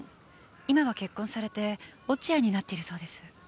今は結婚されて落合になっているそうです。